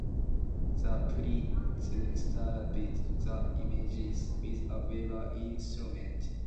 The priests stabbed the images with a weaver's instrument.